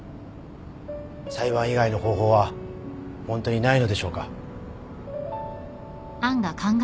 裁判以外の方法はホントにないのでしょうか？